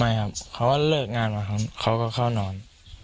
ไม่ครับเขาก็เลิกงานมาครับเขาก็เข้านอน